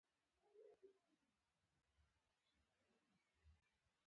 انګېرل کېږي چې دا ټول کانال پوښلی و.